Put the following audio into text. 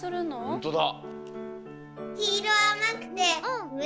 ほんとだ。